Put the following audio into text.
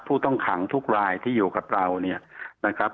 ผู้ต้องขังทุกรายที่อยู่กับเราเนี่ยนะครับ